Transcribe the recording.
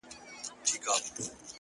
په سلګیو سو په ساندو واویلا سو-